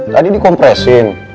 tadi di kompresin